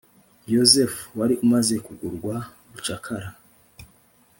yozefu, wari umaze kugurwa bucakara